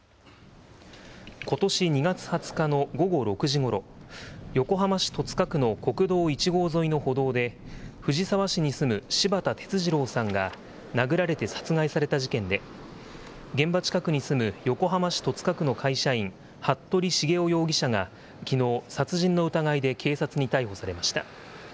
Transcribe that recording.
ことし２月２０日の午後６時ごろ、横浜市戸塚区の国道１号沿いの歩道で、藤沢市に住む柴田哲二郎さんが殴られて殺害された事件で、現場近くに住む横浜市戸塚区の会社員、服部繁雄容疑者がきのう、殺人の疑いで警察に逮捕されました。